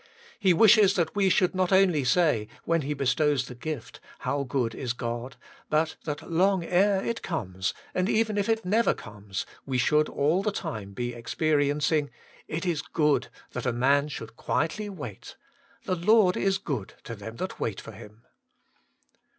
He wishes that we should not only say, when He bestows the gift. How good is God ! but that long ere it comes, and even if it never comes, we should all the time be experiencing : It is good that a man should quietly wait :* The Lord is good to them that wait for Him.'